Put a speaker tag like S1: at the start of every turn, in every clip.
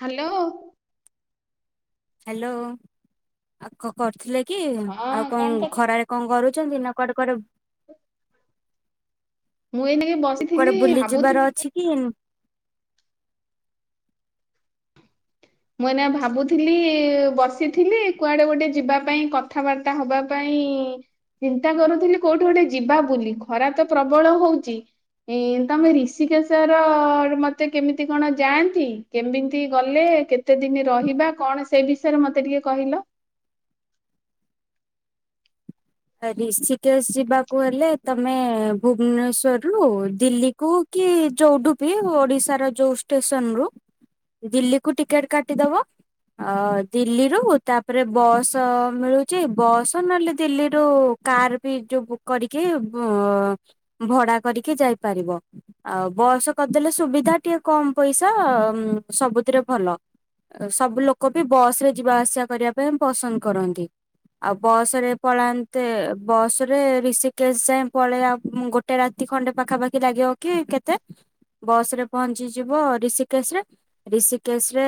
S1: Hello.
S2: Hello ଆ କ କରୁଥିଲେ। କି
S1: ହଁ
S2: ଆଉ କଣ
S1: କରୁଛୁ?
S2: ଖରାରେ କଣ କରୁଛନ୍ତି ନା। କଡ କର।
S1: ମୁଁ ଏଇନାକେ
S2: କୁଆଡେ
S1: ବସିଥିଲି
S2: ବୁଲି ଯିବାର
S1: ଭାବୁଥିଲି
S2: ଅଛି କି?
S1: ମୁଁ ଏନା ଭାବୁଥିଲି ବସିଥିଲି କୁଆଡେ ଗୋଟେ ଯିବା ପାଇଁ କଥାବାର୍ତ୍ତା ହବା ପାଇଁ ଚିନ୍ତା କରୁଥିଲି କୋଉଠି ଗୋଟେ ଯିବା ବୋଲି ଖରା ତ ପ୍ରବଳ ହଉଛି ତମେ ଋଷିକେଶର ମତେ କେମିତି କଣ ଯାଆନ୍ତି କେମିତି ଗଲେ। କେତେ ଦିନ ରହିବା କଣ ସେଇ ବିଷୟରେ ମତେ ଟିକେ କହିଲ।
S2: ରିଷିକେଶ ଯିବାକୁ ହେଲେ ତମେ ଭୁବନେଶ୍ଵରରୁୁ ଦିଲ୍ଲୀକୁ କି ଯଉଠୁପି ଓଡିଶାର ଯୋଉ ଷ୍ଟେସନ ରୁ ଦିଲ୍ଲୀକୁ ଟିକେଟ କାଟିଦବ ଦିଲ୍ଲୀରୁୁ ତାପରେ ବସ୍ ମିଳୁଛି ବସ୍ ନହେଲେ ଦିଲ୍ଲୀରୁ କାର ବି ଯୋଉ ବୁକ୍ କରିକି ଭଡା କରିକି ଯାଇପାରିବ ଆଉ ବସ୍ କରିଦେଲେ ସୁବିଧା ଟିକେ କମ ପଇସା ସବୁଥିରେ ଭଲ ସବୁ ଲୋକ ବି ବସ ରେ ଯିବା ଆସିବା କରିବା ପାଇଁ ପସନ୍ଦ କରନ୍ତି ଆଉ ବସ ରେ ପଳା। ବସ ରେ ଋଷିକେଶ ଯାଏ ପଳେଇ ଆ ଗୋଟେ ରାତି ଖଣ୍ଡେ ପାଖାପାଖି ଲାଗିବ କି କେତେ ବସ ରେ ପହଞ୍ଚିଯିବ ଋଷିକେଶ ରେ ଋଷିକେଶ ରେ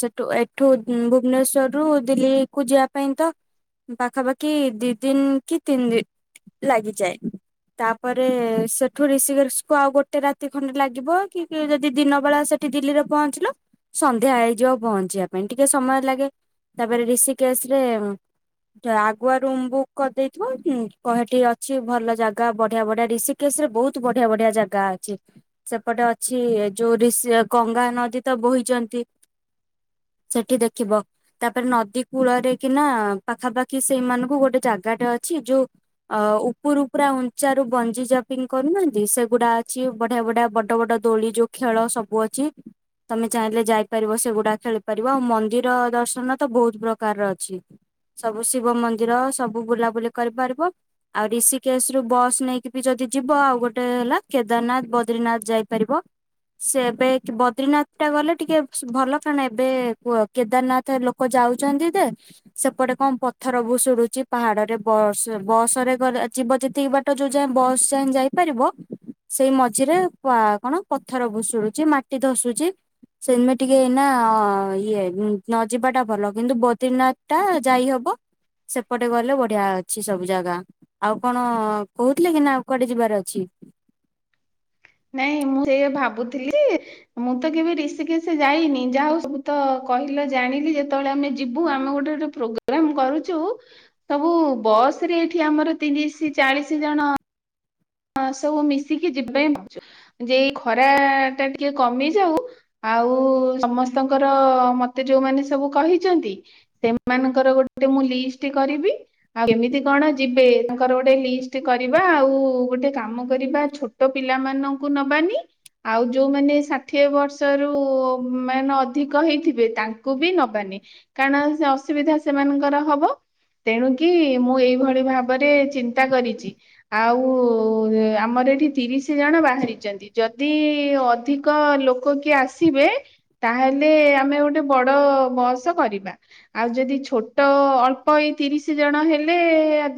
S2: ସେଠୁ ଏଠୁ ଭୁବନେଶ୍ୱର ରୁ ଦିଲ୍ଲୀ କୁ ଯିବା ପାଇଁ ତ ପାଖାପାଖି ଦ କି ତିନି ଦିନ ଲାଗିଯାଏ ତାପରେ ସେଠୁ ଋଷିକେଶ କୁ ଆଉ ଗୋଟେ ରାତି ଖଣ୍ଡେ ଲାଗିବ କି ଯଦି ଦିନ ବେଳା ସେଠି ଦିଲ୍ଲୀରେ ପହଞ୍ଚିଲ ସନ୍ଧ୍ୟା ହେଇଯିବ ପହଞ୍ଚିବା ପାଇଁ ଟିକେ ସମୟ ଲାଗେ ତାପରେ ଋଷିକେଶ ରେ ଆଗୁଆ ରୁମ ବକ୍ କରିଦେଇଥିବ କହେଠି ଅଛି ଭଲ ଜାଗା ବଢିଆ ବଢିଆ ଋଷିକେଶ ରେ ବହୁତ ବଢିଆ ବଢିଆ ଜାଗା ଅଛି ସେପଟେ ଅଛି ଯୋଉଷି ଗଙ୍ଗା ନଦୀ ତ ବୋହିଛନ୍ତି ସେଠି ଦେଖିବ ତାପରେ ନଦୀ କୂଳରେ କି ନା ପାଖାପାଖି ସେଇମାନଙ୍କୁ ଗୋଟେ ଜାଗା ଜାଗାଟେ ଅଛି ଯୋଉ ଅ ଉପରୁ ପୁରା ଉଞ୍ଚ ରୁ ବଞ୍ଜି ଜପିଙ୍ଗ କରୁନାହାନ୍ତି ସେଗୁଡା ଅଛି ବଢିଆ ବଢିଆ ବଡ ବଡ ଦୋଳି ଯୋଉ ଖେଳ ସବୁ ଅଛି ତମେ ଚାହିଁଲେ ଯାଇପାରିବ ସେଗୁଡା ଖେଳିପାରିବ ଆଉ ମନ୍ଦିର ଦର୍ଶନ ତ ବହୁତ ପ୍ରକାରର ଅଛି ସବୁ ଶିବ ମନ୍ଦିର ସବୁ ସବୁ ବୁଲାବୁଲି କରିପାରିବ ଆଉ ଋଷିକେଶ ରୁ ବସ୍ ନେଇକି ବି ଯଦି ଯିବ ଆଉ ଗୋଟେ ହେଲା କେଦାରନାଥ ବଦ୍ରୀିନାଥ ଯାଇପାରିବ ସେ ଏବେ ବଦ୍ରିନାଥ ଟା ଗଲେ ଟିକେ ଭଲ କାରଣ ଏବେ କୁହ କେଦାରନାଥ ଲୋକ ଯାଉଛନ୍ତି ଯେ ସେପଟେ କଣ ପଥର ବି ପଡୁଛି। ପାହାଡରେ ବସ ବସ ରେ ଗଲେ ଯିବ ଯେିତିକ ବାଟ ଯୋଉ ଯାଏ ବସ ଯାଏ ଯାଇପାରିବ ସେଇ ମଝିରେ କଣ ପଥର ଭୁଷୁଡୁଛି ମାଟି ଧସୁଛି ସେମତି ଟିକେ ଏଇନା ଇଏ ନ ଯିବାଟା ଭଲ କିନ୍ତୁ ବଦ୍ରନାଥ ଟା ଯାଇହବ ସେ ଏପଟେ ଗଲେ ବଢିଆ ଅଛି ସବୁ ଜାଗା ଆଉ କଣ କହୁଥିଲେ କି ନା କୁଆଡେ ଯିବାର ଅଛି।
S1: ନାଇଁ ମୁଁ ସେଇ ଭାବୁଥିଲି ମୁଁ ତ କେବେ ରିକ ଯାଇନି ଯାହାଉ ସବୁ ତ କହିଲ ଜାଣିଲି ଯେତେବେଳେ ଆମେ ଯିବୁ ଆମେ ଗୋଟେ ଗୋଟେ ପ୍ରୋଗ୍ରାମ କରୁଛୁ ସବୁ ବସ ରେ ଏଠି ଆମର ତିରିଶ ଚାଳିଶ ଜଣ ହଁ ସବୁ ମିଶିକି ଯିବା ପଛୁ ଯେ ଖରା ଟା ଟିକେ କମି ଯାଉ ଆଉ ସମସ୍ତଙ୍କର ମତେ ଯୋଉମାନେ ସବୁ କହିଛନ୍ତି ସେମାନଙ୍କର ଗୋଟେ ମୁଁ ଲିଷ୍ଟ କରିବି ଆଉ କେମିତି କଣ ଯିବେ ତାଙ୍କର ଗୋଟେ ଲିଷ୍ଟ କରିବା ଆଉ। ଗୋଟେ କାମ କରିବା ଛୋଟ ପିଲାମାନଙ୍କୁ ନବାନି ଆଉ ଯୋଉଁମାନେ ଷାଠିଏ ବର୍ଷରୁ ମାନେ ଅଧିକ ହେଇଥିବେ ତାଙ୍କୁ ବି ନବାନି କାରଣ ସେ ଅସୁବିଧା ସେମାନଙ୍କର ହବ ତେଣୁକି ମୁଁ ଏଇଭଳି ଭାବରେ ଚିନ୍ତା କରିଛି ଆଉ। ଓ ଆମର ଏଠି ତିରିଶ ଜଣ ବାହାରିଛନ୍ତି ଯଦି ଅଧିକ ଲୋକ କିଏ ଆସିବେ ତାହେଲେ ଆମେ ଗୋଟେ ବଡ଼ ବସ୍ କରିବା ଆଉ ଯଦି ଛୋଟ ଅଳ୍ପ ଏଇ ତିରିଶ ଜଣ ହେଲେ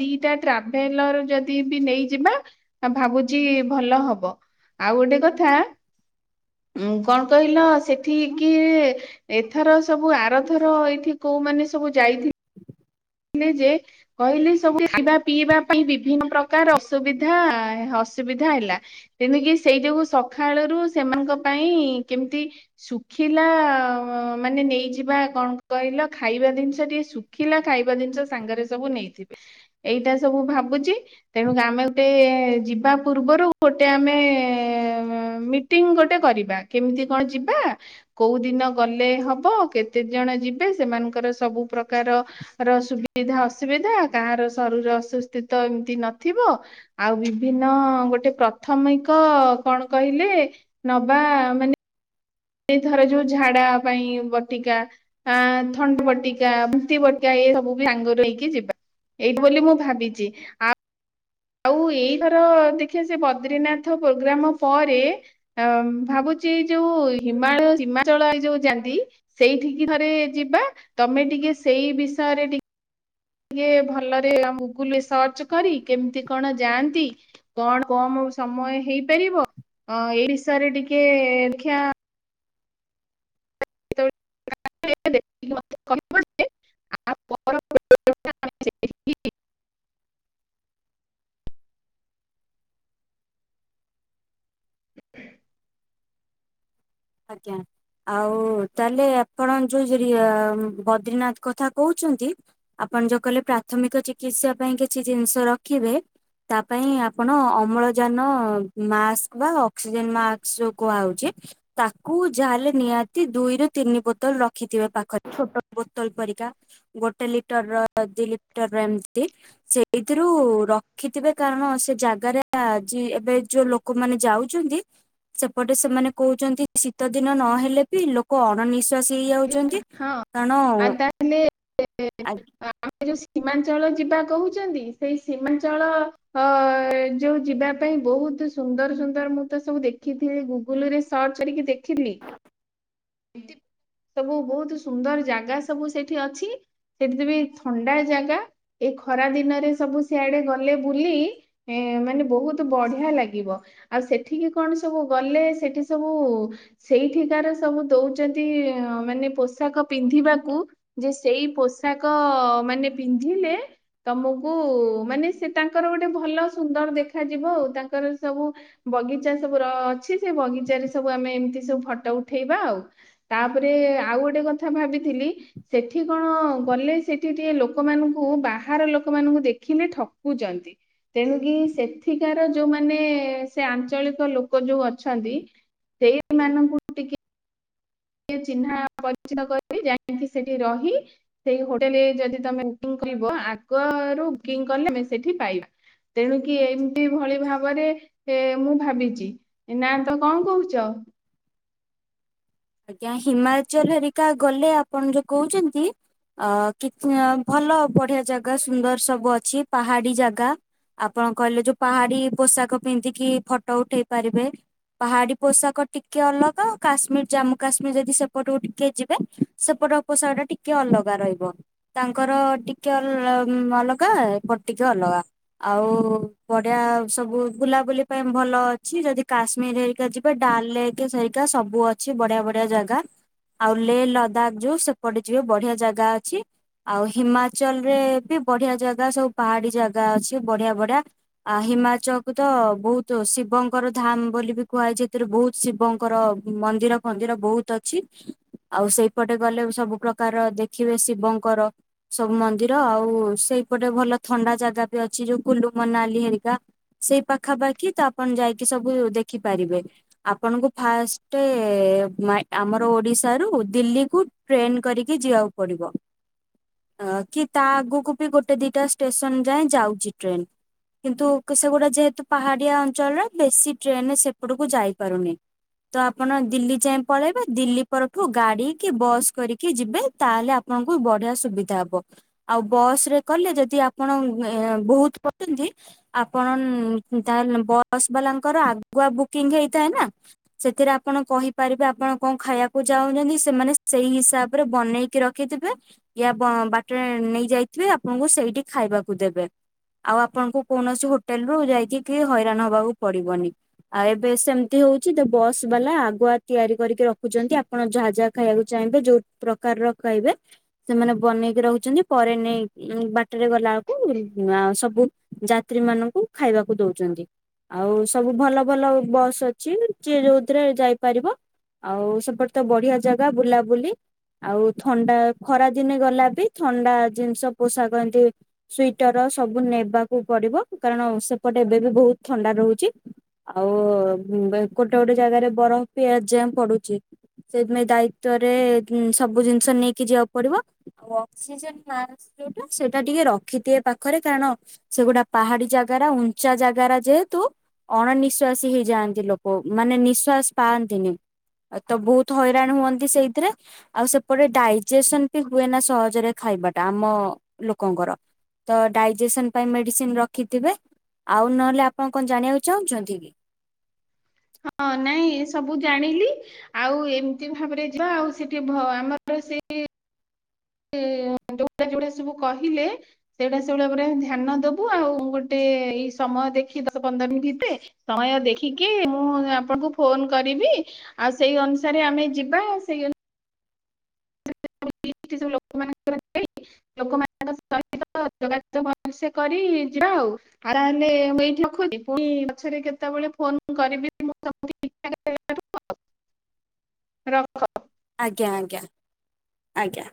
S1: ଦିଟା ଟ୍ରାଭେଲର ଯଦି ବି ନେଇଯିବା ଭାବୁଛି ଭଲ ହବ ଆଉ ଗୋଟେ କଥା ଉ କଣ କହିଲ ସେଠ କିି ଏଥର ସବୁ ଆରଥର ଏଇଠି କୋଉ ମାନେ ସବୁ ଯାଇ ଯେ କହିଲେ ସବୁ ଖାଇବା ପିଇବା ପାଇଁ ବିଭିନ୍ନ ପ୍ରକାର ଅସୁବିଧା ଅସୁବିଧା ହେଲା ଯେଣକି ସେଇ ଯୋଗୁ ସକାଳରୁ ସେମାନଙ୍କ ପାଇଁ କେମିତି ଶୁଖିଲା ମାନେ ନେଇଯିବା କଣ କହିଲ ଖାଇବା ଜିନିଷ ଟିକେ ଶୁଖିଲା ଖାଇବା ଜିନିଷ ସାଙ୍ଗରେ ସବୁ ନେଇଥିବେ ଏଇଟା ସବୁ ଭାବୁଛି ତେଣୁକ ଆମେ ଗୋଟେ ଯିବା ପୂର୍ବରୁ ଗୋଟେ ଆମେ ମିଟିଂ ଗୋଟେ କରିବା କେମିତି କଣ ଯିବା କୋଉ ଦିନ ଗଲେ ହବ କେତେ ଜଣ ଯିବେ ସେମାନଙ୍କର ସବୁ ପ୍ରକାର ର ସୁବିଧା ଅସୁବିଧା କାହାର ଶରୀର ଅସସ୍ଥିତ ଏମତି ନଥିବ ଆଉ ବିଭିନ୍ନ ଗୋଟେ ପ୍ରାଥମିକ କଣ କହିଲେ ନବା ମାନେ ଏଥର ଯୋଉ ଝାଡା ପାଇଁ ବଟିକା ଥଣ୍ଡା ବଟିକା ଭତି ବଟିକା ଏ ସବୁ ବି ଆଙ୍ଗରୁ ହେଇକି ଯିବା ଏଇଠି ବୋଲି ମୁଁ ଭାବିଛି ଆଉ। ଆଉ ଏଇଥର ଦେଖିବା ସେ ବଦ୍ରିନାଥ ପ୍ରୋଗ୍ରାମ ପରେ ଭାବୁଛି ଯୋଉ ହିମାଚଳ ଯୋଉ ଯାଆନ୍ତି ସେଇଠିକ ଥରେ ଯିବା ତମେ ଟିକେ ସେଇ ବିଷୟରେ ଟିକେ ଭଲରେ ଗୁଗୁଲରେ ସର୍ଚ୍ଚ କରି କେମିତି କଣ ଯାଆନ୍ତି କଣ କମ ସମୟ ହେଇପାରିବ ଏଇ ବିଷୟରେ ଟିକେ ଦେଖା [inaudible]
S2: ଆଜ୍ଞା ଆଉ ତାହେଲେ ଆପଣ ଯୋଉ ଯ ବଦ୍ରିନାଥ କଥା କହୁଛନ୍ତି ଆପଣ ଯୋଉ କହିଲେ ପ୍ରାଥମିକ ଚିକିତ୍ସା ପାଇଁ କିଛି ଜିନିଷ ରଖିବେ ତା ପାଇଁ ଆପଣ ଅମ୍ଳଜାନ ମାସ୍କ ବା ଅକ୍ସିଜେନ ମାସ୍କ ଯୋଉ କୁହାହେଉଛି ତାକୁ ଯାହା ହେଲେ ନିହାତି ଦୁଇରୁୁ ତିନି ବୋତଲ ରଖିଥିବେ ପାଖରେ ଛୋଟ ବୋତଲ ପରିକା ଗୋଟେ ଲିଟର ର ଦି ଲିଟର ର ଏମିତି ସେଇଥିରୁ ରଖିଥିବେ କାରଣ ସେ ଜାଗାରେ ଏବେ ଯୋଉ ଲୋକମାନେ ଯାଉଛନ୍ତି ସେପଟେ ସେମାନେ କହୁଛନ୍ତି ଶୀତ ଦିନ ନହେଲେ ବି ଲୋକ ଅଣନିଶ୍ୱାସି ହେଇଯାଉ। ଛନ୍ତି
S1: ହଁ
S2: କାରଣ
S1: ଆଉ
S2: ଆ
S1: ସେ ଯୋଉ ସୀମାଞ୍ଚଳ ଯିବା କହୁଛନ୍ତି ସେଇ ସୀମାଞ୍ଚଳ ଅ ଯୋଉ ଯିବା ପାଇଁ ବହୁତ ସୁନ୍ଦର ସୁନ୍ଦର ମୁଁ ତ ସବୁ ଦେଖିଥିଲି ଗୁଗୁଲ ରେ ସର୍ଚ୍ଚ କରିକି ଦେଖିଥଲି ସବୁ। ବହୁତ ସୁନ୍ଦର ଜାଗା ସବୁ ସେଠି ଅଛି ସେଠି ବି ଥଣ୍ଡା ଜାଗା ଏ ଖରା ଦିନରେ ସବୁ ସିଆଡେ ଗଲେ ବୁଲି ଏ ମାନେ ବହୁତ ବଢିଆ ଲାଗିବ ଆଉ ସେଠିକି କଣ ସବୁ ଗଲେ ସେଠି ସବୁ ସେଇଠିକାର ସବୁ ଦଉଛନ୍ତି ମାନେ । ପୋଷାକ ପିନ୍ଧିବାକୁ ଯେ ସେଇ ପୋଷାକ ମାନେ ପିନ୍ଧିଲେ ତମକୁ ମାନେ ସେ ତାଙ୍କର ଗୋଟେ ଭଲ ସୁନ୍ଦର ଦେଖାଯିବ ଆଉ ତାଙ୍କର ସବୁ ବଗିଚା ସବୁ ର ଅଛି ସେ ବଗିଚାରେ ସବୁ ଆମେ ଏମିତି ସବୁ ଫଟୋ ଉଠେଇବା ଆଉ ତାପରେ ଆଉ ଗୋଟ । ଗୋଟେ କଥା ଭାବିଥିଲି ସେଠି କଣ ଗଲେ ସେଠି ଟିକେ ଲୋକମାନଙ୍କୁ ବାହାର ଲୋକମାନଙ୍କୁ ଦେଖିଲେ ଠକୁଛନ୍ତି ତେଣୁ କିି ସେଠିକାର ଯୋଉମାନେ ସେ ଆଞ୍ଚଳିକ ଲୋକ ଯୋଉ ଅଛନ୍ତି ସେଇମାନଙ୍କୁ ଟିକେ । ଟକେ ଚିହ୍ନା ପରିଚୟ କରି ଯାଇକି ସେଠି ରହି ସେଇ ହୋଟେଲରେ ଯଦି ତମେ ବୁକିଂ କରିବ ଆଗରୁ ବୁକିଂ କଲେ ଆମେ ସେଠି ପାଇବା ତେଣୁକି ଏମିତି ଭଳି ଭାବରେ ଏ ମୁଁ ଭାବିଛି। ନା ତ କଣ କହୁଛ। ହଁ।
S2: ଆଜ୍ଞା ହିମାଚଲ ହେରିକା ଗଲେ ଆପଣ ଯୋଉ କହୁଛନ୍ତି ଅ କି ଭଲ ବଢିଆ ଜାଗା ସୁନ୍ଦର ସବୁ ଅଛି ପାହାଡି ଜାଗା ଆପଣ କହିଲେ ଯୋଉ ପାହାଡି ପୋଷାକ ପିନ୍ଧିକି ଫଟୋ ଉଠେଇ ପାରିବେ ପାହାଡି ପୋଷାକ ଟିକେ ଅଲଗା କାଶ୍ମୀର ଜାମୁଁ । କାଶ୍ମୀର ଯଦି ସେପଟକୁ ଟିକେ ଯିବେ ସେପଟ ପୋଷାକ ଟା ଟିକେ ଅଲଗା ରହିବ ତାଙ୍କର ଟିକେ ଅ ଲ ଅଲଗା ଏପଟ ଟିକେ ଅଲଗା ଆଉ ବଢିଆ ସବୁ ବୁଲାବୁଲି ପାଇଁ ଭଲ ଅଛି ଯଦି କାଶ୍ମୀର ହେରିକା ଯିବେ ଡାଲ ଲେକ ସେଇକା ସବୁ ଅଛି ବଢିଆ ବଢଆ। । ଜାଗା ଆଉ ଲେ ଲଦାଖ ଯୋଉ ସେପଟେ ଯିବେ ବଢିଆ ଜାଗା ଅଛି ଆଉ ହିମାଚଲ ରେ ବି ବଢିଆ ଜାଗା ସବୁ ପାହାଡି ଜାଗା ଅଛି ବଢିଆ ବଢିଆ ଆଉ ହିମାଚଳକୁୁ ତ ବହୁତ ଶିବଙ୍କର ଧାମ ବୋଲି ବି କୁହାଯାଏ ଏଥିରେ ବହୁତ ଶିବଙ୍କର ମନ୍ଦିଫନ୍ଦିର। ବହୁତ ଅଛି ଆଉ ସେଇପଟେ ଗଲେ ସବୁ ପ୍ରକାର ଦେଖିବେ ଶିବଙ୍କର ସବୁ ମନ୍ଦିର ଆଉ ସେଇପଟେ ଭଲ ଥଣ୍ଡା ଜାଗା ବି ଅଛି ଯୋଉ କୁଲୁ ମନାଲି ହେରିକା ସେଇ ପାଖାପାଖି ତ ଆପଣ ଯାଇକି ସବୁ ଦେଖିପାରିବେ ଆପଣଙ୍କୁ ଫାଷ୍ଟ । ଆମର ଓଡିଶାରୁ ଦିଲ୍ଲୀକୁ ଟ୍ରେନ କରିକି ଯିଆକୁ ପଡିବ କି ତା ଆଗକୁ ବି ଗୋଟେ ଦିଟା ଷ୍ଟେସନ ଯାଏଁ ଯାଉଛି ଟ୍ରେନ କିନ୍ତୁ ସେଗୁଡା ଯେହେତୁ ପାହାଡିଆ ଅଞ୍ଚଳରେ ବେଶୀ ଟ୍ରେନ ସେପଟକୁ ଯାଇପାରୁନି ତ ଆପଣ ଦିଲ୍ଲୀ ଯାଏ। ପଳେଇବେ ଦିଲ୍ଲୀ ପରଠୁ ଗାଡି କି ବସ୍ କରିକି ଯିବେ ତାହେଲେ ଆପଣଙ୍କୁ ବଢିଆ ସୁବିଧା ହବ ଆଉ ବସ ରେ କଲେ ଯଦି ଆପଣ ଏଁ ବହୁତଲୋକଅଛନ୍ତି ଆପଣ ତାହେଲେ ବସ୍ ବାଲାଙ୍କର ଆଗୁଆ ବୁକିଂ ହେଇ ଥାଏ ନା ସେଥିରେ ଆପଣ କହିପାରିବେ। ଆପଣ କଣ ଖାଇବାକୁ ଚାହୁଁଛନ୍ତି ସେମାନେ ସେଇ ହିସାବ ରେ ବନେଇକି ରଖିଥିବେ ୟା ବାଟରେ ନେଇ ଯାଇଥିବେ ଆପଣଙ୍କୁ ସେଇଠି ଖାଇବାକୁ ଦେବେ ଆଉ ଆପଣଙ୍କୁ କୌଣସି ହୋଟେଲ ରୁ ଯାଇକି ହଇରାଣ ହବାକୁ ପଡିବନି ଆଉ ଏବେ ସେମିତି ହଉଛି ଯେ ବସ୍ ବାଲା ଆଗୁଆ ତିଆରି କରିକି ରଖୁଛନ୍ତି ଆପଣ ଯାହା ଯାହା ଖାଇବାକୁ ଚାହିଁବେ ଯୋଉ ପ୍ରକାରର ଖାଇବେ ସେମାନେ ବନେଇକି ରଖଛନ୍ତି ପରେ ନେଇ ବାଟରେ ଗଲା ବେଳକୁ ସବୁ ଯାତ୍ରୀ ମାନଙ୍କୁ ଖାଇବାକୁ ଦଉଛନ୍ତି ଆଉ ସବୁ ଭଲ ଭଲ ବସ୍ ଅଛି ଯିଏ ଯୋଉଥିରେ ଯାଇପାରିବ। ଆଉ ସେପଟେ ତ ବଢିଆ ଜାଗା ବୁଲାବୁଲି ଆଉ ଥଣ୍ଡା ଖରା ଦିନେ ଗଲା ବି ଥଣ୍ଡା ଜିନିଷ ପୋଷାକ ଏମିତି ସ୍ଵିଟର । ନେବାକୁ ପଡିବ କାରଣ ସେପଟେ ଏବେ ବି ବହୁତ ଥଣ୍ଡା ରହୁଛି ଆଉ ଏ ଗୋଟେ ଗୋଟେ ଜାଗାରେ ବରଫ ପିଆଯା ପଡୁଛି ସେଥିପାଇଁ ଦାୟିତ୍ୱରେ ସବୁ ଜିନିଷ ନେଇକି ଯିବାକୁ ପଡିବ ଆଉ ଅକ୍ସିଜେନ ମାସ୍କ ଯୋଉଟା ସେଇଟା ଟିକେ ରଖିଥିବେ ପାଖରେ କାରଣ ସେଗୋଟା ପାହାଡି ଜାଗାର ଉଞ୍ଚା ଜାଗାର ଯେହେତୁ ଅଣନିଶ୍ଵାସୀ ହେଇଯାଆନ୍ତି ଲୋକ ମାନେ ନିଶ୍ଵାସ ପାଆନ୍ତିନି। ତ ବହୁତ ହଇରାଣ ହୁଅନ୍ତି ସେଇଥିରେ ଆଉ ସେପଟେ ଡାଇଜେସନ ବି ହୁଏ ନା ସହଜରେ ଖାଇବାଟା ଆମ ଲୋକଙ୍କର ତ ଡାଇଜେସନ ପାଇଁ ମେଡିସିନ ରଖିଥିବେ ଆଉ ନହେଲେ ଆପଣ କଣ ଜାଣିବାକୁ ଚାହୁଁଛନ୍ତି କି।
S1: ହଁ ନାଇଁ ସବୁ ଜାଣିଲି ଆଉ ଏମିତି ଭାବରେ ଯିବା ଆଉ ସେଠି ଭ ଆମର ସେ ସେ ଯୋଉ ଟା ଯିଉଟା ସବୁ କହିଲେ ସେଇଗୁଡ଼ା ସେଇଗୁଡ଼ା ଉପରେ ଧ୍ୟାନ ଦେବୁ ଆଉ ଗୋଟେ ଏଇ ସମୟ ଦେଖି ଦଶ ପନ୍ଦର ଦିନ ଭିତରେ ସମୟ ଦେଖିକି ମୁଁ ଆପଣଙ୍କୁ ଫୋନ କରିବି ଆଉ ସେଇ ଅନୁସାରେ ଆମେ ଯିବା ସେଇ ଙ୍କ [unintelligible] ଲୋକମାନଙ୍କ ସହିତ ଯୋଗା ଯୋଗ କରି ଯିବା ଆଉ ଆରାମରେ ମୁ ଏଇଠି ରଖୁଛି ପୁଣି ପଛରେ କେତେବେଳେ ଫୋନ କରିବି ରଖ
S2: ଆଜ୍ଞା ଆଜ୍ଞା ଆଜ୍ଞା।